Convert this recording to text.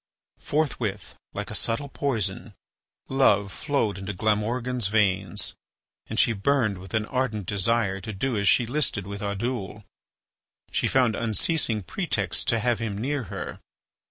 Forthwith, like a subtle poison, love flowed into Glamorgan's veins, and she burned with an ardent desire to do as she listed with Oddoul. She found unceasing pretexts to have him near her.